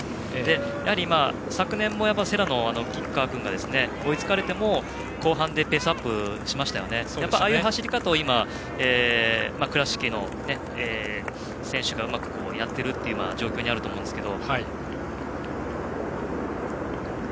やはり、昨年も世羅の選手が追いつかれても後半ペースアップしましたがああいう走り方を倉敷の選手がうまくやっているという状況にあると思うんですけど。